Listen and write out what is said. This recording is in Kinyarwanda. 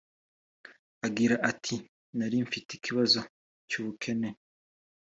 Agira ati “Nari mfite ikibazo cy’ubukene